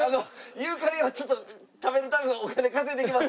ユーカリをちょっと食べるためのお金稼いできます。